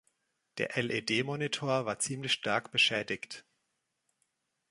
Der LED-Monitor war ziemlich stark beschädigt.